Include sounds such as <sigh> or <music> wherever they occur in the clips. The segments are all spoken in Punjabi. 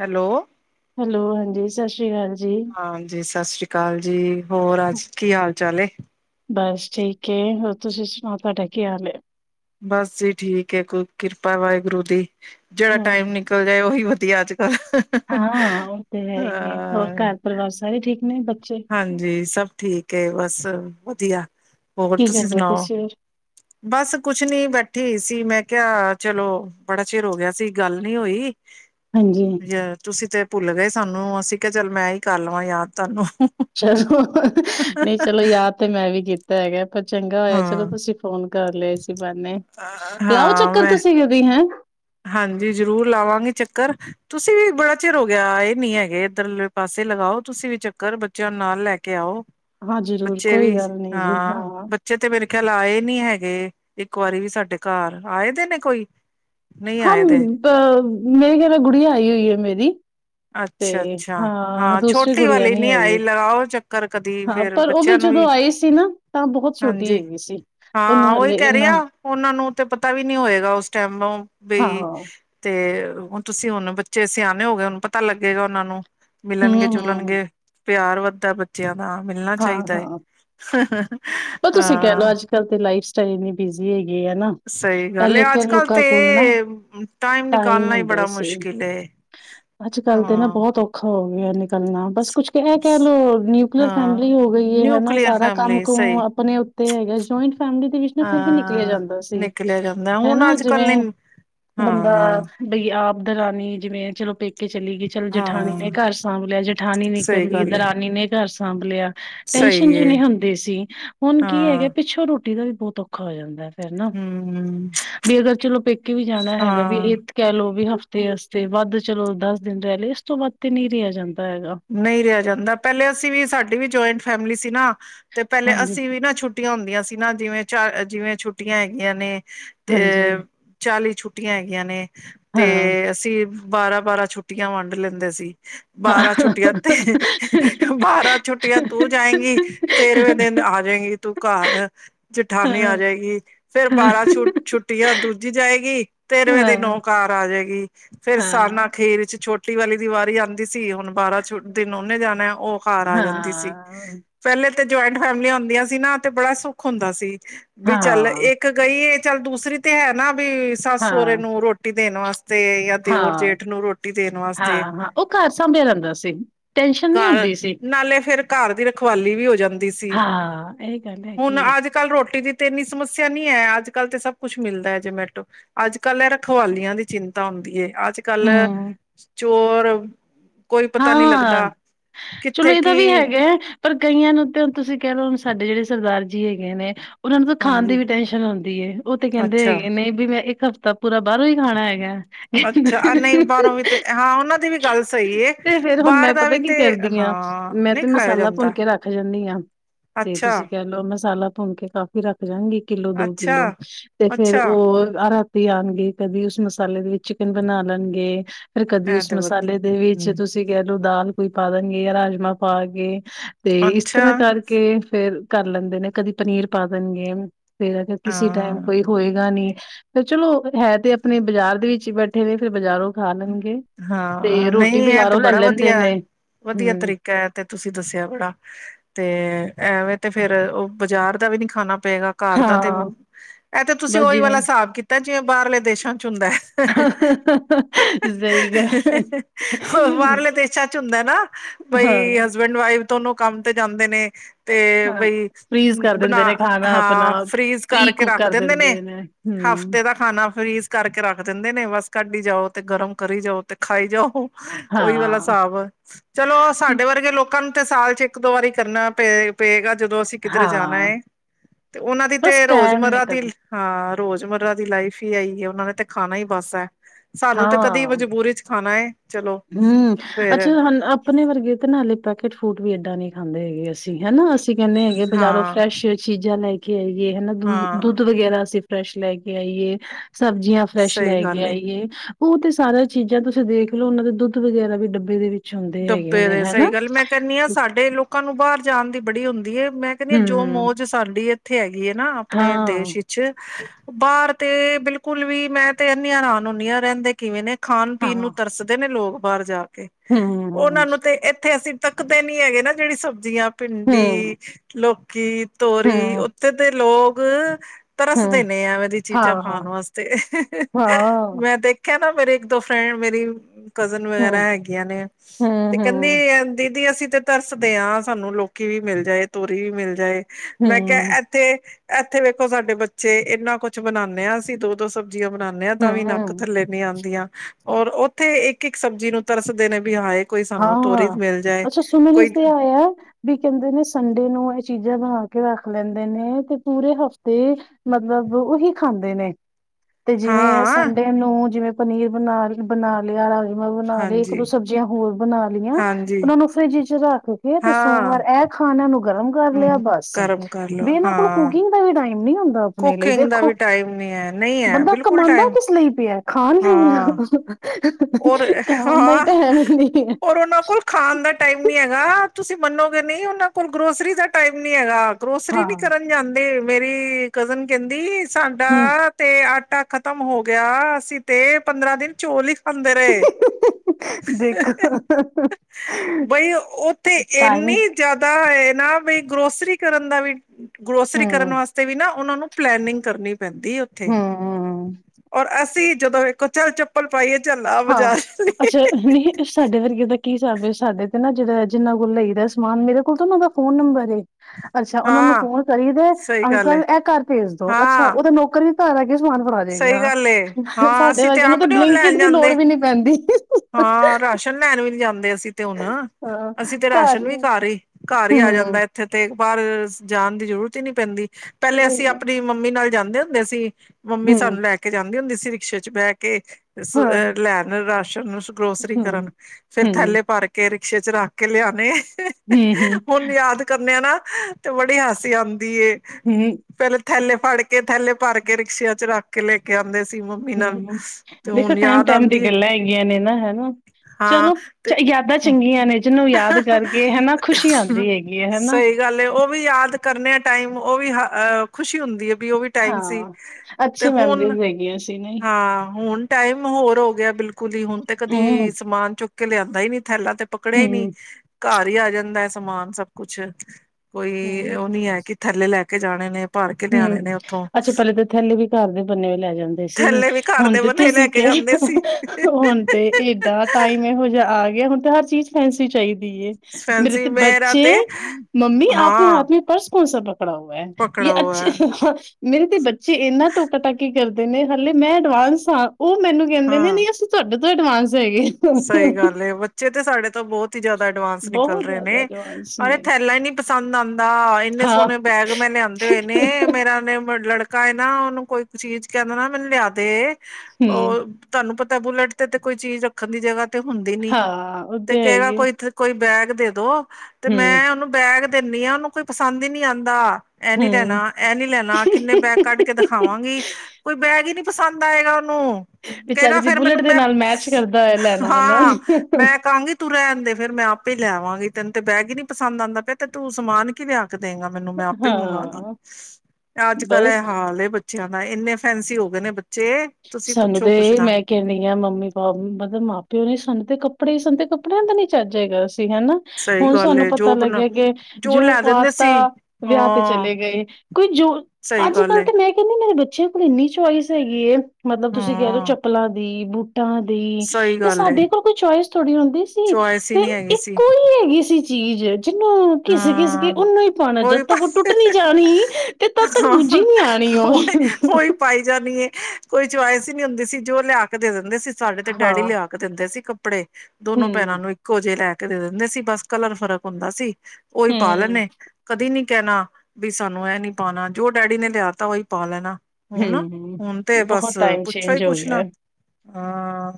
ਹੈਲੋ। ਹੈਲੋ, ਹਾਂਜੀ, ਸਸ ਸ੍ਰੀ ਕਾਲ ਜੀ। ਹਾਂਜੀ, ਸਤਿ ਸ੍ਰੀ ਕਾਲ ਜੀ, ਹੋਰ ਅੱਜ ਕੀ ਹਾਲ ਚਾਲ ਏ। ਬਸ ਠੀਕ ਏ, ਹੋਰ ਤੁਸੀਂ ਸੁਨਾਉ, ਤੁਹਾਡਾ ਕੀ ਹਾਲ ਏ। ਬਸ ਜੀ ਠੀਕ ਹੈ ਕੋ, ਕਿਰਪਾ ਵਾਹਿਗੁਰੂ ਦੀ। ਜਿਹੜਾ ਹੋਰ ਟਾਈਮ ਨਿਕਲ ਜਾਏ ਉਹੀ ਵਧੀਆ। <unintelligible> ਹਾਂ ਉਹ ਤੇ ਹੈ ਹੀ ਹੈ ਹੋਰ ਹਾਂ। ਘਰ ਪਰਿਵਾਰ ਸਾਰੇ ਠੀਕ ਨੇ ਬੱਚੇ ਹਾਂਜੀ ਸਭ ਠੀਕ ਬਸ ਵਧੀਆ ਹੋਰ ਕੀ ਤੁਸੀਂ ਕਰਦੇ ਪਏ ਸੁਣਾਓ ਸੀ ਹੋਰ ਬਸ ਕੁਛ ਨੀ ਬੈਠੀ ਸੀ ਮੈਂ ਕਿਹਾ ਚਲੋ ਬੜਾ ਚਿਰ ਹੋ ਗਿਆ ਸੀ ਗੱਲ ਨੀ ਹੋਈ ਹਾਂਜੀ ਜ ਤੁਸੀਂ ਤੇ ਭੁੱਲ ਗਏ ਸਾਨੂੰ ਅਸੀਂ ਕਿਹਾ ਚੱਲ ਮੈਂ ਹੀ ਕਰ ਲਵਾਂ ਯਾਦ ਤੁਹਾਨੂੰ ਚੋ ਨਹੀਂ ਚਲੋ ਯਾਦ ਤੇ ਮੈਂ ਵੀ ਕੀਤਾ ਤਾਂ ਹੈਗਾ ਚੰਗਾ ਹੋਇਆ ਚਲੋ ਹਾਂ। ਤੁਸੀਂ ਫੋਨ ਕਰ ਲਏ ਸੀ ਬੰਨੇ ਲਾਓ ਹਾਂ ਚੱਕਰ ਮੈਂ ਤੁਸੀਂ ਕਦੀ ਹੈਂ ਹਾਂਜੀ ਜ਼ਰੂਰ ਲਾਵਾਂਗੇ ਚੱਕਰ ਤੁਸੀਂ ਵੀ ਬੜਾ ਚਿਰ ਹੋ ਗਿਆ ਇਹ ਨੀ ਹੈਗੇ ਇੱਧਰ ਪਾਸੇ ਲਗਾਓ ਤੁਸੀਂ ਵੀ ਚੱਕਰ ਬੱਚਿਆਂ ਨਾਲ ਲੈ ਕੇ ਆਓ ਹਾਂ ਜ਼ਰੂਰ ਬੱਚੇ ਕੋਈ ਵੀ ਗੱਲ ਨਹੀਂ ਜੀ ਹਾਂ ਬੱਚੇ ਤੇ ਮੇਰੇ ਕਿਆਲ ਆਏ ਨੀ ਹੈਗੇ ਇੱਕ ਵਾਰੀ ਵੀ ਸਾਡੇ ਘਰ ਆਏ ਦੇ ਨੇ ਕੋਈ ਨਹੀਂ ਹਾਂ ਆਏ ਦੇ ਅ ਮੇਰੇ ਘਰ ਗੁੜੀ ਆਈ ਹੋਈ ਹੈ ਮੇਰੀ ਤੇ ਅੱਛਾ ਅੱਛਾ ਹਾਂ ਛੋਟੀ ਵਾਲੀ ਨੀ ਆਈ ਲਗਾਓ ਚੱਕਰ ਕਦੀ ਹਾਂ ਫੇਰ ਪਰ ਉਹ ਬੱਚਿਆਂ ਨੂੰ ਜਦੋਂ ਵੀ ਆਏ ਸੀ ਨਾ ਤਾਂ ਬਹੁਤ ਛੋਟੀ ਹਾਂਜੀ ਹੈਗੀ ਸੀ। ਹਾਂ ਉਹਨੂੰ ਉਹੀ ਹਲੇ ਕਹਿ ਰ ਇੰਨਾ ਆ ਉਹਨਾਂ ਨੂੰ ਤੇ ਪਤਾ ਵੀ ਨੀ ਹੋਏਗਾ ਉਸ ਟਾਈਮ <unintelligible> ਹਾਂ ਤੇ ਤੇ ਹੁਣ ਤੁਸੀਂ ਹੁਣ ਬੱਚੇ ਸਿਆਣੇ ਹੋ ਗਏ ਹੁਣ ਪਤਾ ਲੱਗੇਗਾ ਉਹਨਾਂ ਨੂੰ ਮਿਲਣਗੇ ਜੁਲਣਗੇ ਪਿਆਰ ਵੱਧਦਾ ਬੱਚਿਆਂ ਦਾ ਮਿਲਣਾ ਹਾਂ ਚਾਹੀਦਾ ਹੈ ਹਾਂ ਉਹ ਤੁਸੀਂ ਕਹਿ ਲਓ ਹਾਂ ਅੱਜ ਕੱਲ੍ਹ ਤੇ ਲਾਈਫ ਸਟਾਈਲ ਇੰਨੀ ਬਿਜ਼ੀ ਹੈਗੀ ਨਾ ਸਹੀ ਗੱਲ ਹੈ ਪਹਿਲੇ ਅੱਜ ਫੇਰ ਕੱਲ ਤੇ ਲੋਕਾਂ ਕੋਲ ਨਾ ਟਾਈਮ ਨਿਕਾਲਣਾ ਹੀ ਹੁੰਦਾ ਬੜਾ ਸੀ ਮੁਸ਼ਕਿਲ ਹੈ ਅੱਜ ਕੱਲ ਤੇ ਨਾ ਹਾਂ ਬਹੁਤ ਔਖਾ ਹੋ ਗਿਆ ਨਿਕਲਣਾ ਬਸ ਕੁਛ ਕਹਿ ਕਹਿ ਲੋਓ ਨਿਊਕਲੀਅਰ ਹਾਂ ਫੈਮਿਲੀ ਹੋ ਗਈ ਹੈ ਹਨਾ ਨਿਊਕਲੀਅਰ ਸਾਰਾ ਕੰਮ ਫੈਮਲੀ ਕੁਮ ਸਹੀ ਆਪਣੇ ਉੱਤੇ ਹੈਗਾ ਜੁਆਇੰਟ ਫੈਮਿਲੀ ਵਿੱਚ ਨਾ ਫਿਰ ਵੀ ਨਿਕਲਿਆ ਹਾਂ ਜਾਂਦਾ ਸੀ ਨਿਕਲਿਆ ਜਾਂਦਾ ਹੁਣ ਹਨਾ ਅੱਜ ਕੱਲ ਜਿਵੇਂ ਨੇ ਹਾਂ ਬੰਦਾ ਹਾਂ ਬਈ ਆਪ ਧਰ ਰਾਾਨੀ ਜਿਵੇਂ ਚਲੋ ਪੇ ਕੇ ਚਲੀ ਗਈ ਚੱਲ ਜਠਾਣੀ ਹਾਂ ਨੇ ਘਰ ਸਾਂਭ ਲਿਆ ਜਠਾਨੀ ਸਹੀ ਨਿਕਲ ਗਈ ਗੱਲ ਹੈ ਦਰਾਨੀ ਨੇ ਘਰ ਸਾਂਭ ਲਿਆ ਟੈਸ਼ਨ ਸਹੀ ਜਿ ਹੈ ਨਹੀਂ ਹੁੰਦੇ ਸੀ ਹੁਣ ਕੀ ਹੈਗੇ ਹਾਂ ਪਿੱਛੋਂ ਰੁਟੀ ਰੁਟੀ ਦਾ ਵੀ ਬਹੁਤ ਔਖਾ ਹੋ ਜਾਂਦਾ ਹੈ ਹਨਾ ਹਮ ਵੀ ਅਗਰ ਚਲੋ ਪੇਕੇ ਵੀ ਜਾਣਾ ਹੈਗਾ ਵੀ ਹਾਂ ਇਹ ਕਹਿ ਲਓ ਵੀ ਹਫ਼ਤੇ ਹਸਤੇ ਵੱਧ ਚਲੋ ਦਸ ਦਿਨ ਰਹਿ ਲਏ ਇਸ ਤੋਂ ਵੱਧ ਤੇ ਨਹੀਂ ਰਿਹਾ ਜਾਂਦਾ। ਹੈਗਾ ਨਹੀਂ ਰਿਹਾ ਜਾਂਦਾ, ਪਹਿਲੇ ਅਸੀਂ ਵੀ ਸਾਡੇ ਸਾਡੀ ਵੀ ਜੁਆਇੰਟ ਫੈਮਿਲੀ ਸੀ ਨਾ। ਤੇ ਪਹਿਲੇ ਹਾਂਜੀ ਅਸੀ ਵੀ ਨਾ ਛੁੱਟੀਆਂ ਹੁੰਦੀਆਂ ਸੀ ਨਾ ਜਿਵੇਂ ਚਾਰ ਜਿਵੇਂ ਛੁੱਟੀਆਂ ਹੈਗੀਆਂ ਨੇ ਤੇ ਹਾਂਜੀ ਚਾਲੀ ਛੁੱ ਛੁੱਟੀਆਂ ਹੈਗੀਆਂ ਨੇ। ਤੇ ਹਾਂ ਅਸੀਂ ਬਾਰਾਂ- ਬਾਰਾਂ ਛੁੱਟੀਆਂ ਵੰਡ ਲੈਂਦੇ ਸੀ। ਬਾਰਾਂ ਛੁੱ ਛੁੱਟੀਆਂ ਤੇ ਬਾਰਾਂ ਛੁੱਟੀਆਂ ਤੂੰ ਜਾਏਗੀ ਤੇਰਵੇਂ ਦਿਨ ਆ ਜਾਏਗੀ ਤੂੰ ਘਰ ਜਠਾਨੀ ਆ ਹਾਂ ਜਾਏਗੀ, ਫੇਰ ਹਾਂ ਬਾਰਾਂ ਛੁ ਛੁੱਟੀਆਂ ਦੂਜੀ ਜਾਏਗੀ ਤੇਰਵੇਂ ਦਿਨ ਹਾਂ ਉਹ ਘਰ ਆ ਜਾਏਗੀ, ਫੇਰ ਸਾਲਾ ਹਾਂ, ਅਖੀਰ ਚ ਛੋਟੀ ਪਿਛਲੀ ਵਾਲੀ ਦੀ ਵਾਰੀ ਆਂਦੀ ਸੀ ਹੁਣ ਬਾ ਛੁ ਦਿਨ ਉਹਨੇ ਜਾਣਾ ਉਹ ਘਰ ਆ ਜਾਂਦੀ ਸੀ, ਹਾਂ, ਪਹਿਲੇ ਤੇ ਜੁਆਇੰਟ ਫੈਮਲੀਆਂ ਹੁੰਦੀਆਂ ਸੀ, ਨਾ ਤੇ ਬੜਾ ਸੁੱਖ ਹੁੰਦਾ ਸੀ। ਵੀ ਚੱਲ ਹਾਂ, ਇੱਕ ਗਈ ਏ ਚੱਲ ਦੂਸਰੀ ਤੇ ਹੈ ਨਾ। ਵੀ ਸੱਸ ਸਹੁਰੇ ਹਾਂ, ਨੂੰ ਰੋਟੀ ਦੇਣ ਵਾਸ ਤੇ ਜਾਂ ਦਿਓਰ ਹਾਂ, ਜੇਠ ਨੂੰ ਰੋਟੀ ਦੇਣ ਹਾਂ, ਵਾਸਤੇ ਹਾਂ ਉਹ ਘਰ ਸਾਂਭਿਆ ਰਹਿੰਦਾ ਸੀ। ਟੈਨਸ਼ਨ ਨਹੀਂ ਘਰ ਹੁੰਦੀ ਸੀ, ਨਾਲੇ ਫਿਰ ਘਰ ਦੀ ਰਖਵਾਲੀ ਵੀ ਹੋ ਜਾਂਦੀ ਸੀ, ਹਾਂ ਇਹ ਗੱਲ ਹੁਣ ਹੈਗੀ ਆ, ਅੱਜ ਕੱਲ੍ਹ ਰੋਟੀ ਦੀ ਤੇ ਇੰਨੀ ਸਮੱਸਿਆ ਨਹੀਂ ਹੈ ਅੱਜ ਕੱਲ ਤੇ ਸਭ ਕੁੱਛ ਮਿਲਦਾ ਹੈ ਜਮੈਟੋ, ਅੱਜ- ਕੱਲ ਇਹ ਰਖਵਾਲੀਆਂ ਦੀ ਚਿੰਤਾ ਹੁੰਦੀ ਏ। ਅੱਜ-ਕੱਲ ਹੂੰ, ਚੋਰ ਕੋਈ ਪਤਾ ਨਹੀਂ ਲੱਗਦਾ ਹਾਂ ਚਲੋ, ਕਿੱਥੇ ਇਹਦਾ ਕੀ ਵੀ ਹੈਗਾ। ਪਰ ਕਈਆਂ ਨੂੰ ਹੁਣ ਤੁਸੀਂ ਕਹਿ ਲਓ, ਹੁਣ ਸਾਡੇ ਜਿਹੜੇ ਸਰਦਾਰ ਜੀ ਹੈਗੇ ਨੇ ਉਹਨਾ ਨੂੰ ਤਾਂ ਖਾਣ ਦੀ ਹਾਂਜੀ ਵੀ ਟੈਨਸ਼ਨ ਹੁੰਂਦੀ ਐ, ਉਹ ਤੇ ਕਹਿੰਦੇ ਅੱਛਾ ਹੈਗੇ ਨਹੀਂ ਵੀ ਮੈਂ ਇੱਕ ਹਫ਼ਤਾ ਪੂਰਾ ਬਾਹਰੋਂ ਹੀ ਖਾਣਾ ਹੈਗਾ। ਅੱਛਾ ਨਹੀਂ ਬਾਹਰੋਂ ਵੀ ਤੇ ਹਾਂ ਉਹਨਾਂ ਦੀ ਵੀ ਗੱਲ ਸਹੀ ਹੈ ਤੇ ਫੇਰ ਹੁਣ ਬਾਹਰ ਮੈਂ ਦਾ ਪਤਾ ਵੀ ਕੀ ਤੇ ਕਰਦੀ ਹਾਂ, ਮੈਂ ਨਹੀਂ ਤੇ ਖਾਇਆ ਮਸਾਲਾ ਜਾਂਦਾ ਭੁੰਨ ਕੇ ਰੱਖ ਜਾਂਦੀ ਹਾਂ ਤੇ ਅੱਛਾ ਤੁਸੀਂ ਕਹਿ ਲਓ ਮਸਾਲਾ ਭੁੰਮ ਕੇ ਕਾਫੀ ਰੱਖ ਦੇਦਾਂਗੀ ਕਿੱਲੋ ਦੋ ਅੱਛਾ ਕਿੱਲੋ ਤੇ ਫੇਰ ਅੱਛਾ ਉਹ ਅਰ ਆਉਗੇ ਕਦੀ ਉਸ ਮਸਾਲੇ ਦੇ ਵਿੱਚ ਚਿਕਨ ਬਣਾ ਲੈਣਗੇ। ਫਿਰ ਕਦੀ ਇਹ ਉਸ ਤੇ ਵਧ ਮਸਾਲੇ ਦੇ ਵਿੱਚ ਹਮ ਕਹਿ ਲਓ ਦਾਲ ਕੋਈ ਪਾ ਦੇਣਗੇ ਜਾਂ ਰਾਜਮਾਂ ਪਾ ਕੇ ਤੇ ਇਸ ਅੱਛਾ ਤਰ੍ਹਾਂ ਕਰਕੇ ਫੇਰ ਕਰ ਲੈਂਦੇ ਨੇ ਕਦੀ ਪਨੀਰ ਪਾ ਦੇਣਗੇ। ਫੇਰ ਅਗਰ ਕਿਸੇ ਟਾਈਮ ਹਾਂ ਕੋਈ ਹੋਏਗਾ ਨੀ ਫੇਰ ਚਲੋ ਹੈ ਤੇ ਆਪਣੇ ਬਾਜ਼ਾਰ ਦੇ ਵਿੱਚ ਹੀ ਬੈਠੇ ਨੇ ਫੇਰ ਬਾਜ਼ਾਰੋਂ ਖਾ ਲਣਗੇ ਤੇ ਹਾਂ ਰੋ ਨਹੀਂ ਇਹ ਤੇ ਬੜਾ ਵਧੀਆ। ਵਧੀਆ ਤਰੀਕਾ ਹੈ ਤੇ ਤੁਸੀਂ ਦੱਸਿਆ ਬੜਾ ਤੇ ਐਵੇਂ ਤੇ ਫੇਰ ਉਹ ਬਾਜ਼ਾਰ ਦਾ ਵੀ ਨੀ ਖਾਨਾ ਪਏਗਾ ਘਰ ਦਾ ਤੇ ਹਾਂ ਇਹ ਤੇ ਤੁਸੀਂ ਬਸ ਓਹੀ ਜਿਵੇਂ ਵਾਲਾ ਹਿਸਾਬ ਕੀਤਾ ਜੇ ਬਾਹਰਲੇ ਦੇਸ਼ਾਂ ਚ ਹੁੰਦਾ। ਸਹੀ ਗੱਲ ਬਾਹਰਲੇ ਦੇਸਾਂ ਚ ਹੁੰਦਾ ਨਾ ਬਈ ਹਾਂ, ਹਸਬੈਂਡ ਵਾਈਫ ਦੋਨੋ ਕੰਮ ਤੇ ਜਾਂਦੇ ਨੇ ਤੇ ਹਾਂ ਬਈ ਫ੍ਰੀਜ਼ ਕਰ ਬਣਾ ਦਿੰਦੇ ਨੇ ਖਾਣਾ ਹਾਂ ਆਪਣਾ ਫਰੀਜ਼ ਪ੍ਰੀ ਕਰਕੇ ਕੁਕ ਰੱਖ ਕਰ ਦਿੰਦੇ ਨੇ ਹੂੰ ਹਫਤੇ ਦਾ ਖਾਣਾ ਫਰੀਜ਼ ਕਰਕੇ ਰੱਖ ਦਿੰਦੇ ਨੇ ਬਸ ਕੱਡੀ ਜਾਓ ਤੇ ਗਰਮ ਕਰੀ ਜਾਓ ਤੇ ਖਾਈ ਜਾਓ। ਉਹੀ ਵਾਲਾ ਹਾਂ ਹਿਸਾਬ ਚਲੋ ਸਾਡੇ ਵਰਗੇ ਲੋਕਾਂ ਤੇ ਸਾਲ ਚ ਇੱਕ ਦੋ ਵਾਰੀ ਕਰਨਾ ਪਏ ਪਏਗਾ। ਜਦੋਂ ਅਸੀਂ ਕਿੱਧਰ ਜਾਣਾ ਹਾਂ ਹੈ ਤੇ ਉਹਨਾਂ ਦੀ ਬਸ ਤੇ ਟੈਮ ਰੋਜ਼ਮਰਰਾ ਦੀ ਨਿਕਲ ਹਾਂ ਰੋਜ਼ਮਰਾ ਦੀ ਲਾਈਫ ਹੀ ਐਹੀ ਏ ਉਹਨਾ ਨੇ ਤੇ ਖਾਣਾ ਹੀ ਬਾਸਾ। ਸਾਨੂੰ ਤਾਂ ਕਦੇ ਹਾਂ ਮਜਬੂਰੀ ਚ ਖਾਣਾ ਏ। ਹੂੰ ਅੱਛਾ ਹੁਣ ਆਪਣੇ ਵਰਗੇ ਤੇ ਨਾ ਹਲੇ ਪੈਕੇਟ ਫੂਡ ਵੀ ਏਦਾਂ ਨਹੀਂ ਖਾਂਦੇ ਹੈਗੇ ਅਸੀਂ ਹਨਾ। ਅਸੀਂ ਕਹਿੰਦੇ ਹੈਗੇ ਬਜ਼ਾਰੋਂ ਹਾਂ ਫਰੈਸ਼ ਚੀਜ਼ਾਂ ਲੈ ਕੇ ਹਨਾ ਦੁ ਹਾਂ ਦੁੱਧ ਵਗੈਰਾ ਅਸੀ ਫਰੈਸ਼ ਲੈ ਕੇ ਆਈਏ। ਸਬਜ਼ੀਆਂ ਫਰੈਸ਼ ਸਹੀ ਲੈ ਕੇ ਗੱਲ ਏ। ਆਈਏ। ਉਹ ਤੇ ਸਾਰੀਆਂ ਚੀਜ਼ਾਂ ਤੁਸੀਂ ਦੇਖ ਲਓ ਉਹਨਾਂ ਦੇ ਦੁੱਧ ਵਗੈਰਾ ਵੀ ਡੱਬੇ ਦੇ ਵਿੱਚ ਹੁੰਦੇ ਹੈਗੇ ਡੱਬੇ ਨੇ ਦੇ ਸਹੀ ਹਨਾ। ਗੱਲ ਮੈਂ ਕਹਿੰਦੀ ਹਾਂ ਸਾਡੇ ਲੋਕਾਂ ਨੂੰ ਬਾਹਰ ਜਾਣ ਦੀ ਬੜੀ ਹੁੰ ਦੀ ਏ। ਮੈਂ ਕਹਿੰਦੀ ਹਾਂ ਜੋ ਹੂੰ, ਮੌਜ ਸਾਡੀ ਏ ਇਥੇ ਆਈ ਏ ਨਾ ਆਪਣੇ ਹਾਂ, ਦੇਸ਼ ਵਿੱਚ ਬਾਹਰ ਤੇ ਬਿਲਕੁਲ ਵੀ ਮੈਂ ਤੇ ਇਨੀ ਹੈਰਾਨ ਹੁੰਨੀ ਆ ਰਹਿੰਦੇ ਕਿਵੇਂ ਨੇ ਖਾਣ ਪੀਣ ਹਾਂ, ਨੂੰ ਤਰਸਦੇ ਨੇ ਲੋਕ ਬਾਹਰ ਜਾਰ ਕੇ ਹੂੰ, ਉਹਨਾਂ ਨੂੰ ਤੇ ਇੱਥੇ ਅਸੀਂ ਤੱਕਦੇ ਨੀ ਹੈਗੇ ਨਾ ਜਿਹੜੀ ਸਬਜ਼ੀਆਂ ਹੂੰ, ਭਿੰਡੀ ਲੋਕ ਕੀ ਤੋਰੀ ਹੂੰ, ਉੱਥੇ ਦੇ ਲੋਕ <unintelligible> ਹੂੰ, ਤਰਸਦੇਣੇ ਐਵੇ ਦੀਆ ਚੀਜ਼ਾਂ ਖਾਣ ਹਾਂ, ਵਾਸਤੇ ਹਾਂ, ਮੈਂ ਦੇਖਿਆ ਨਾ ਮੇਰੀ ਇੱਕ ਦੋ ਫਰੈਂਡ ਮੇਰੀ ਕਜ਼ਨ ਵਗੈਰਾ ਹੂੰ, ਹੈਗੀਆਂ ਨੇ ਤੇ ਹੂੰ, ਕਹਦੇ ਦੀ ਦੀ ਅਸੀਂ ਤੇ ਤਰਸਦੇ ਹਾਂ ਸਾਨੂੰ ਲੋਕੀ ਵੀ ਮਿਲ ਜਾਏ ਤੋਰੀ ਵੀ ਮਿਲ ਜਾਏ ਮੈਂ ਕਿਹਾ ਹੂੰ, ਇੱਥੇ ਇੱਥੇ ਵੇਖੋ ਸਾਡੇ ਬੱਚੇ ਇਨਾ ਕੁਛ ਬਣਾਉਂਦੇ ਹਾਂ ਅਸੀਂ ਦੋ ਦੋ ਸ ਜ ਉਹ ਬਣਾਉਂਦੇ ਆਾਂ ਹੂੰ, ਤਾਂ ਵੀ ਨੱਕ ਹੂੰ। ਥੱਲੇ ਨੀ ਆਉਂਦੀਆਂ ਔਰ ਉੱਥੇ ਇੱਕ ਇੱਕ ਸਬਜ਼ੀ ਨੂੰ ਤਰਸਦੇ ਨੇ ਵੀ ਵੀ ਹਾਏ ਹਾਂ ਅੱਛਾ ਸੁਨਨ ਵਿੱਚ ਕੋਈ ਤੇ ਆਇਆ ਵੀ ਕਹਿੰਦੇ ਨੇ ਸੰਡੇ ਨੂੰ ਇਹ ਚੀਜ਼ਾਂ ਬਣਾ ਕੇ ਰੱਖ ਲੈਂਦੇ ਨੇ ਤੇ ਪੂਰੇ ਹਫ਼ਤੇ ਮਤਲਬ ਉਹੀ ਖਾਂਦੇ ਨੇ ਤੇ ਜਿਵੇਂ ਹਾਂ ਸੰਡੇ ਨੂੰ ਜਿਵੇਂ ਪਨੀਰ ਬਣਾ ਬਣਾ ਲਿਆ ਆਾ ਬਣਾ ਦੇ ਇੱਕ ਹਾਂਜੀ ਦੋ ਸਬਜ਼ੀਆਂ ਬਣਾ ਲਈਆਂ ਹਾਂਜੀ ਉਹਨਾਂ ਨੂੰ ਫ੍ਰਿਜ <unintelligible> ਤੇ ਹਾਂ ਸੋਮਵਾਰ ਇਹ ਖਾਣਾ ਨੂੰ ਗਰਮ ਕਰ ਲਿਆ ਹਮ ਬਸ ਗਰਮ ਕਰ ਲੋ ਵੀ ਇਹਨਾਂ ਕੋਲ ਹਾਂ ਕੁਕਿੰਗ ਦਾ ਵੀ ਟਾਈਮ ਨੀ ਹੁੰਦਾ ਆਪਣੇ ਲਈ ਕੁਕਿੰਗ ਦਾ ਵੀ ਦੇਖੋ ਟਾਈਮ ਨਹੀਂ ਹੈ ਨਹੀਂ ਹੈ ਬੰਦਾ ਬਿਲਕੁਲ ਕਮਾਉਂਦਾ ਟਾਈਮ ਕਿਸ ਲਈ ਪਿਆ ਖਾ ਲਈ ਹਾਂ ਖਾਨ ਦਾ ਤਾਂ ਹੀ ਹੈ ਨੀ ਔਰਉਹਨਾਂ ਕੋਲ ਖਾਣ ਦਾ ਟਾਈਮ ਨੀ ਹੈਗਾ ਤੁਸੀਂ ਮੰਨੋਗੇ ਨਹੀਂ ਉਹਨਾਂ ਕੋਲ ਗਰੋਸਰੀ ਦਾ ਟਾਈਮ ਨੀ ਹੈਗਾ ਗਰੋਸਰੀ ਹਾਂ ਨੀ ਕਰਨ ਜਾਂਦੇ ਮੇਰੀ ਕਜ਼ਨ ਕਹਿੰਦੀ ਸਾਡਾ ਹੂੰ। ਤੇ ਅੱ ਟਾ ਖਤਮ ਹੋ ਗਿਆ ਅਸੀਂ ਤੇ ਪੰਦਰਾਂ ਦਿਨ ਚੋ ਲਿਖ ਹਦੇ ਰਹੇ ਦੇਖੋ ਬਈ ਉੱਥੇ ਟਾਈਮ ਇਨੀ ਜ਼ਿਆਦਾ ਹੈ ਨਾ ਵੀ ਗਰੋਸਰੀ ਕਰਨ ਦਾ ਵੀ ਗਰੋਸਰੀ ਹੂੰ ਕਰਨ ਵਾਸਤੇ ਵੀ ਨਾ ਉਹਨਾਂ ਨੂੰ ਪਲੈਨਿੰਗ ਕਰਨੀ ਪੈਂਦੀ ਉੱਥੇ ਹੂੰ ਔਰ ਅਸੀਂ ਜਦੋਂ ਇਹ <unintelligible> ਚੱਪਲ ਪਾਈਏ ਚੱਲ ਆ ਹਾਂ ਬਾਜ਼ਾਰ ਅੱਛਾ ਨਹੀਂ ਸਾਡੇ ਵਰਗੇ ਦਾ ਕੀ ਸਭ ਸਾਡੇ ਤੇ ਨਾ ਜਿਹੜ ਜਿਨਾਂ ਕੋਲ ਲਈ ਦਾ ਸਮਾਨ ਮੇਰੇ ਕੋਲ ਤਾਂ ਨਾ ਉਹਦਾ ਫੋਨ ਨੰਬਰ ਏ ਅੱਛਾ ਉਹਨਾਂ ਨੂੰ ਹਾਂ ਫੋਨ ਕਰੀ ਦੇ ਸਹੀ ਗੱਲ ਹੈ ਅੰਕਲ ਇਹ ਘਰ ਭੇਜ ਦੋ ਅੱਛਾ ਹਾਂ ਉਹਦਾ ਨੌਕਰ <unintelligible> ਸਮਾਨ ਫੜਾ ਸਹੀ ਦੇਗਾ ਗੱਲ ਏ ਹਾਂ ਸਾਡੇ ਅਸੀਂ ਵਰਗਿਆਂ ਨੂੰ ਆਪ ਤੇ ਨੀ ਹੁਣ ਬਲਕੇਟ ਲੈਣ ਦੀ ਲੋੜ ਜਾਂਦੇ ਵੀ ਨੀ ਪੈਂਦੀ ਹਾਂ ਰਾਸ਼ਨ ਲੈਣ ਵੀ ਨੀ ਜਾਂਦੇ ਅਸੀਂ ਤੇ ਹੁਣ ਹਾਂ ਅਸੀਂ ਤੇ ਰਾਸ਼ਨ ਵੀ ਹੂੰ ਘਰ ਹੀ ਘਰ ਹੀ ਆ ਜਾਂਦਾ ਹੂੰ ਇੱਥੇ ਤੇ ਬਾਹਰ ਜਾਣ ਦੀ ਜ਼ਰੂਰਤ ਨਹੀਂੀ ਪੈਂਦੀ ਹਾਂ ਪਹਿਲੇ ਅਸੀਂ ਹੂੰ ਆਪਣੀ ਮੰਮੀ ਨਾਲ ਜਾਂਦੇ ਹੁੰਦੇ ਸੀ ਮੰਮੀ ਸਾਨੂੰ ਲੈ ਕੇ ਜਾਂਦੀ ਹੁੰਦੀ ਸ ਰਿਕਸ਼ੇ ਚ ਬਹਿ ਕੇ ਹੂੰ ਲੈਨ ਰਾਸ਼ ਗਰੋਸਰੀ ਕਰਨ ਹੂੰ ਫੇਰ ਥੈਲੇ ਭਰ ਕੇ ਰਿਕਸ਼ੇ ਚ ਰੱਖ ਕੇ ਲਿਆਣੇ ਹੂੰ ਹੁਣ ਯਾਦ ਕਰਨੇ ਆ ਨਾ <inaudible> ਦੀਏ ਹੂੰ ਪਹਿਲਾਂ ਥੈਲੇ ਫੜ ਕੇ ਥੈਲੇ ਰੱਖ ਕੇ ਲੈ ਕੇ ਆਉਂਦੇ ਸੀ ਮੰਮੀ ਨਾਲ ਹਮ ਤੇ ਦੇਖੋ ਹੁਣ ਟਾਈਮ ਯਾਦ -ਟਾਈਮ ਦੀਆਂ ਆਉਂਦੀ ਹੈ ਗੱਲਾਂ ਹੈਗੀਆਂ ਨੇ ਨਾ। ਹਮਮ! ਚਲੋ, ਯਾਦਾਂ ਚੰਗੀਆਂ ਨੇ ਜਿਹਨੂੰ ਹੁ ਯਾਦ ਕਰਕੇ ਹਨਾ ਖੁਸ਼ੀ -ਹੁ -ਹੁ ਆਂਦੀ ਹੈਗੀ ਹੈ ਹਨਾ। ਸਹੀ ਗੱਲ ਏ। ਉਹ ਵੀ ਯਾਦ ਕਰਨੇ ਆ ਟਾਈਮ ਉਹ ਵੀ ਅਹ ਖੁਸ਼ੀ ਹੁੰਦੀ ਹੈ। ਵੀ ਉਹ ਵੀ ਟਾਈਮ ਸੀ ਹਾਂ। ਤੇ ਅੱਛੀ ਹੁਣ ਮੈਮਰੀਜ਼ ਹੈਗੀਆਂ ਸੀ ਨਹੀਂ ਹਾਂ ਹੁਣ ਟਾਈਮ ਹੋਰ ਹੋ ਗਿਆ ਬਿਲਕੁਲ ਹੀ ਹੁਣ ਤੇ ਕਦੀ ਸਮਾਨ ਚੁੱਕ ਲਿਆਂਂਦਾ ਹੀ ਨੀ ਥਲਾ ਤੇ ਕੜਯਾ ਨੀ ਹੂੰ-ਹੂੰ। ਘਰ ਹੀ ਆ ਜਾਂਦਾ ਹੈ ਸਮਾਨ ਸਭ ਕੁਛ ਕੋਈ ਉਹ ਨੀ ਹੈ ਕਿ ਥੱਲੇ ਲੈ ਕੇ ਕੇ ਜਾਣੇ ਨੇ ਭਰ ਕੇ ਹਮ, ਲਿਆਣੇ ਨੇ ਉੱਥੋਂ ਅੱਛਾ ਪਹਿਲੇ ਤਾਂ ਥੈਲੇ ਵੀ ਘਰ ਦੇ ਬਨੇ ਵੀ ਲੈ ਜਾਂਦੇ ਸੀ। ਥੱਲੇ ਵੀ ਘਰ ਹੁਣ ਦੇ ਤੇ ਬਣੇ ਲੈ ਤੁਸੀਂ ਕੇ ਕਹਿ ਜਾਂਦੇ ਸੀ। ਹੁਣ ਤੇ ਏਡਾ ਟਾਈਮ ਇਹੋ ਜਿਹਾ ਆ ਗਿਆ ਹੁਣ ਹਰ ਚੀਜ਼ ਫੈਂਸੀ ਚਾਹੀਦੀ ਮੇਰੇ ਫੈਂਸੀ ਤੇ ਮੇਰਾ ਬੱਚੇ ਤੇ ਮੰਮੀ ਆਪਣੇ ਹਾਂ ਹਾਥ ਮੇ ਪਰਸ ਕੋਛ <inaudible> <inaudible> ਪਕੜਾ ਹੋਆ ਅੱਛੇ ਹੈ ਮੇਰੇ ਤੇ ਬੱਚੇ ਇਨਾ ਤੋਂ ਪਤਾ ਕਿ ਕਰਦੇ ਨੇ ਹਾਲੇ ਮੈਂ ਅਡਵਾਂਸ ਆ ਉਹ ਮੈਨੂੰ ਕਹਿੰਦੇ ਨੇ ਹਾਂ ਨਹੀਂ ਅਸੀਂ ਤੁਹਾਡੇ ਐਡਵਾਂਸ ਹੈਗੇ ਸਹੀ ਗੱਲ ਹੈ। ਬੱਚੇ ਤੇ ਸਾਡੇ ਤੋਂ ਬਹੁਤ ਜਿਆਦਾ ਐਡਵਾਂਸ ਨਿਕਲ ਬਹੁਤ ਰਹੇ ਜ਼ਿਆਦਾ ਨੇ, ਐਡਵਾਂਸ ਪਰ ਇਹ ਨੇ ਥੈਲਾ ਹੀ ਨੀ <inaudible> ਦਾ ਇੰਨੇ ਹਾਂ। ਸੋਹਣੇ ਬੈਗ ਮੈਂ ਲਿਆਦੇ ਹੋਏ ਨੇ ਮੇਰਾ ਨੇ ਲੜਕਾ ਏ ਨਾ ਉਹਨੂੰ ਕੋਈ ਚੀਜ਼ ਕਹਿੰਦਾ ਨਾ ਮੈਨੂੰ ਲਿਆਦੇ ਹੂੰ, ਉਹ ਤੁਹਾਨੂੰ ਪਤਾ ਬੁਲਟ ਤੇ ਕੋਈ ਚੀਜ਼ ਰੱਖਣ ਦੀ ਜਗ੍ਹਾ ਹੁੰਦੀ ਨੀ ਹਾਂ ਉਹ ਤੇ ਹੈ ਕੇਗਾ ਹੀ ਏ ਕੋਈ ਬੈਗ ਦੇ ਦੋ ਤੇ ਹੂੰ, ਮੈਂ ਉਹਨੂੰ ਬੈਗ ਦਿੰਦੀ ਆਂ ਉਹਨੂੰ ਕੋਈ ਪਸੰਦ ਹੀ ਨਹੀਂ ਆਉਂਦਾ। ਇਹ ਨੀ ਹੂੰ। ਲੈਣਾ ਇਹ ਨੀ ਲੈਣਾ ਕਿੰਨੇ ਬੈਗ ਕੱਢ ਕੇ ਦਿਖਾਵਾਂਗੀ ਕੋਈ ਬੈਗ ਹੀ ਨੀ ਪਸੰਦ ਆਏਗਾ ਓ ਵਿਚਾਰੇ ਦੀ ਬੁਲੇਟ ਦੇ ਨਾਲ ਮੈਚ ਕਰਦਾ ਐ। ਹਾਂ ਮੈਂ ਕਹਾਂਗੀ ਤੂੰ ਰਹਿਣ ਦੇ। ਫੇਰ ਮੈਂ ਆਪੇ ਹੀ ਲੈਵਾਂਗੀ ਤੈਨੂੰ ਤੇ ਬੇਗ ਹੀ ਨੀ ਪਸੰਦ ਆਂਦਾ ਪਿਆ ਤੇ ਤੂੰ ਸਮਾਨ ਕੀ ਦਿਆ ਦੇਗਾ ਮੈਨੂੰ ਮੈਂ ਆਪੇ ਮੰਗਾ ਲਾਂਗੀ ਹਾਂ ਅੱਜ ਕੱਲ ਬਸ ਇਹ ਹਾਲ ਐ ਬਚ ਬੱਚਿਆਂ ਦਾ ਇੰਨੇ ਫੈਸੀ ਹੋ ਗਏ ਨੇ ਬੱਚੇ ਤੁਸੀਂ ਸਾਨੂੰ ਪੁੱਛੋ ਤੇ ਕੁਛ ਨਾ ਮੈਂ ਕਹਿੰਣੀ ਆ ਮੰਮੀ ਪਾਪਾ ਮਤਲਬ ਮਾਂ ਪਿਉ ਨੇ ਸਾਨੂੰ ਤੇ ਕੱਪੜੇ ਸਾਨੂੰ ਤੇ ਕੱਪੜਿਆਂ ਦਾ ਨੀ ਚੱਜ ਹੈਗਾ ਸੀ ਹਨਾ ਸਹੀ ਹੁਣ ਗੱਲ ਸਾਨੂੰ ਏ, ਪਤਾ ਜੋ ਬਣਾ ਲੱਗਿਆ ਕੀ ਜੋ ਲੈ ਦਿੰਦੇ ਪਾਤਾ ਸੀ ਵਿਆਹ ਤੇ ਹਾਂ ਚਲੇ ਗਏ ਕੋਈ ਜੋ ਸਹੀ ਅੱਜ ਗੱਲ ਕੱਲ ਏ ਤਾਂ ਮੈਂ ਕਹਿੰਦੀ ਮੇਰੇ ਬੱਚੇ ਬੱਚਿਆ ਕੋਲ ਇੰਨੀ ਚੁਆਇਸ ਹੈਗੀ ਏ। ਮਤਲਬ ਤੁਸੀਂ ਕਹਿ ਦੋ ਹਾਂ ਚੱਪਲਾਂ ਦੀ ਬੂਟਾਂ ਦੀ। ਸਹੀ ਤੇ ਗੱਲ ਏ ਸਾਡੇ ਕੋਲ ਕੋਈ ਚੁਆਈਸ ਥੋੜੀ ਹੁੰਦੀ ਸੀ ਚੁਆਇਸ ਹੀ ਤੇ ਨਹੀਂ ਹੈਗੀ ਸੀ ਇੱਕੋ ਹੀ ਹੈਗੀ ਸੀ। ਚੀਜ਼। ਜਿਹਨੂੰ ਘਿਸ ਘਿਸ ਕੇ ਹਾਂ ਓਹਨੂੰ ਹੀ ਪਾਣਾ ਉਹੀ ਜਦ ਹਾਂ ਤੱਕ ਉਹ ਟੁੱਟ ਨਹੀਂ ਜਾਣੀ ਤੇ ਤਦ ਤੱਕ ਦੂਜੀ ਨੀ ਆਣੀ ਉਹ। ਉਹੀ ਉਹੀ ਪਾਈ ਜਾਣੀ ਏ ਕੋਈ ਚੁਆਇਸ ਹੀ ਨਹੀਂ ਹੁੰਦੀ ਸੀ ਜੋ ਲਿਆ ਕੇ ਦੇ ਦਿੰਦੇ ਸੀ। ਸਾਡੇ ਤੇ ਡੈਡੀ ਹਾਂ ਲਿਆ ਕੇ ਦਿੰਦੇ ਸੀ ਕੱਪੜੇ ਦੋਨੋ ਹੂੰ ਭੈਣਾਂ ਨੂੰ ਇੱਕੋ ਜਿਹੇ ਲੈ ਦੇ ਦਿੰਦੇ ਸੀ ਬਸ ਕਲਰ ਫਰਕ ਹੁੰਦਾ ਸੀ। ਓਹੀ ਪਾ ਲੈਣੇ ਕਦੀ ਨੀ ਕਹਿਣਾ ਵੀ ਸਾਨੂੰ ਇਹ ਨੀ ਪਾਣਾ ਜੋ ਡੈਡੀ ਨੇ ਲਿਆ ਤਾ ਉਹੀ ਪਾ ਲੈਣਾ। ਹੁਣ ਹੁਣ ਤੇ ਬਸ ਪੁੱਛੋ ਹੀ ਕੁਛ ਨਾ। ਹਾਂ।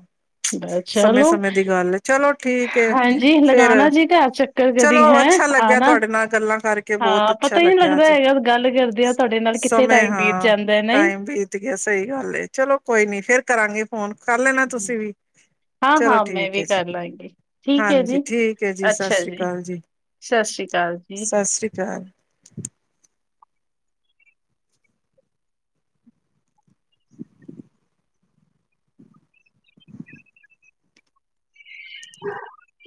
ਬਸ ਚਲੋ ਸਮੇਂ-ਸਮੇਂ ਦੀ ਗੱਲ ਏ ਚਲੋ ਠੀਕ ਏ। ਹਾਂਜੀ ਫੇਰ ਲਗਾਉਾਨਣਾ ਜੀ ਘਰ ਚੱਕ ਚਲੋ ਅੱਛਾ ਲੱਗਿਆ ਤੁਹਾਡੇ ਨਾਲ ਗੱਲ ਕੀ ਬੋਤ ਹਾਂ, ਅੱਛਾ ਪਤਾ ਹੀ ਨਹੀਂ ਲੱਗਿਆ ਲੱਗਦਾ ਅੱਜ ਹੈਗਾ ਗੱਲ ਕਰਦਿਆਂ ਤੁਹਾਡੇ ਨਾਲ ਕਿੱਥੇ ਸਮੇ ਟਾਈਮ ਬੀਤ ਹਾਂ ਜਾਂਦਾ ਹੈ, ਨਹੀਂ? ਟਾਈਮ ਬੀਤ ਗਿਆ ਸਹੀ ਗੱਲ ਏ ਚਲੋ ਕੋਈ ਨੀ ਫੇਰ ਕਰਾਂਗੇ ਫੋਨ। ਕਰ ਲੈਣਾ ਤੁਸੀਂ ਵੀ ਹਾਂ, ਚਲੋ ਹਾਂ, ਮੈਂ ਠੀਕ ਵੀ ਹੈ ਜੀ ਕਰ ਲਾਂਗੀ। ਠੀਕ ਹੈ ਹਾਂਜੀ ਜੀ, ਠੀਕ ਹੈ ਜੀ ਸਤਿ ਅੱਛਾ ਸ੍ਰੀ ਅਕਾਲ ਜੀ ਸਤਿ ਸ੍ਰੀ ਅਕਾਲ ਜੀ। ਸਤਿ ਸ੍ਰੀ ਅਕਾਲ। <unintelligible>